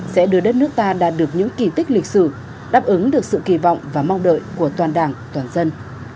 sẽ đưa đất nước ta đạt được những kỳ tích lịch sử đáp ứng được sự kỳ vọng và mong đợi của toàn đảng toàn dân